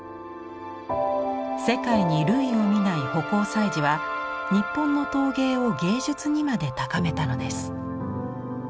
世界に類を見ない葆光彩磁は日本の陶芸を芸術にまで高めたのです。